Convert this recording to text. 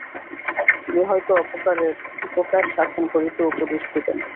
তিনি হয়তো অপরের উপকার সাধন করিতে উপদেশ দিবেন।